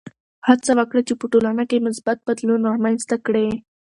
هڅه وکړه چې په ټولنه کې مثبت بدلون رامنځته کړې.